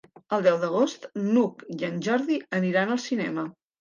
El deu d'agost n'Hug i en Jordi aniran al cinema.